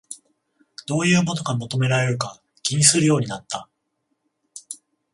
どういうものが求められるか気にするようになった